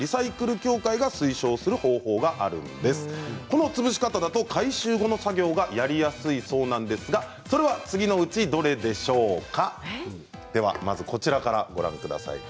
この潰し方だと回収後の作業がやりやすいそうなんですがそれは次のうちどれでしょうか。